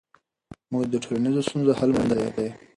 موږ د ټولنیزو ستونزو حل موندلی دی.